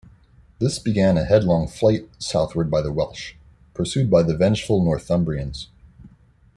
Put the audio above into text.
This began a headlong flight southward by the Welsh, pursued by the vengeful Northumbrians.